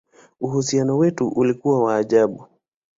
Uhusiano wetu ulikuwa wa ajabu!